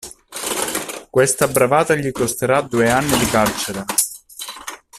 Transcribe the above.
Questa bravata gli costerà due anni di carcere.